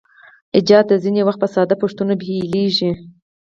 ایجاد ځینې وخت په ساده پوښتنو پیلیږي.